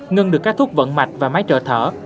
ngân được các thuốc vận mạch và máy trợ thở